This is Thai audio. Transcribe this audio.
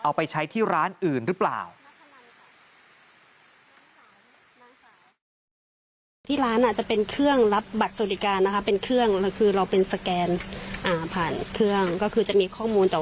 อัปเดตอาการล่าสุดทั้งคุณตาคุณยายครับ